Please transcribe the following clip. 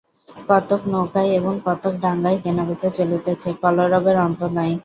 কতক নৌকায় এবং কতক ডাঙায় কেনাবেচা চলিতেছে, কলরবের অন্ত নাই।